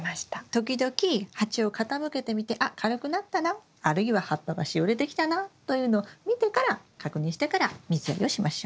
時々鉢を傾けてみてあっ軽くなったなあるいは葉っぱがしおれてきたなというのを見てから確認してから水やりをしましょう。